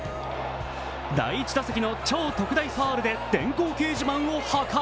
第１打席の超特大ファウルで電光掲示板を破壊。